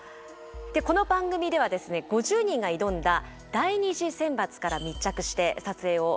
この番組ではですね５０人が挑んだ第２次選抜から密着して撮影を始めました。